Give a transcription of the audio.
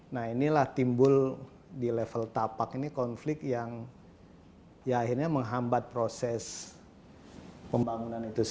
nah inilah timbul di level tapak ini konflik yang ya akhirnya menghambat proses pembangunan itu sendiri